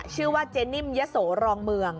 ชื่อว่าเจนิ่มยะโสรองเมือง